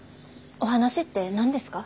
お話って何ですか？